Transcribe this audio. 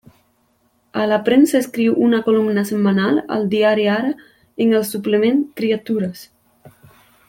A la premsa escriu una columna setmanal al diari Ara en el suplement Criatures.